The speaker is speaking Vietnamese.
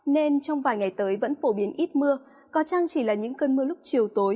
nên trong vài ngày tới vẫn phổ biến ít mưa có chăng chỉ là những cơn mưa lúc chiều tối